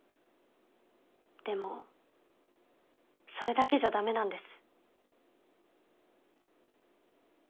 でもそれだけじゃダメなんです。